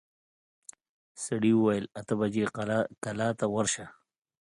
سړي وويل اته بجې کلا ته ورسه.